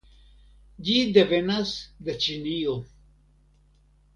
Ĝi devenas de Ĉinio.